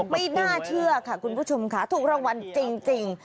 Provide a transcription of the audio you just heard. ไม่น่าเชื่อค่ะคุณผู้ชมค่ะถูกรางวัลจริง